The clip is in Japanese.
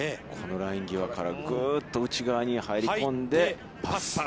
このライン際から、ぐっと内側に入り込んでパス。